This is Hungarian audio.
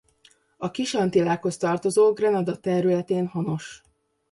A Kis-Antillákhoz tartozó Grenada területén honos.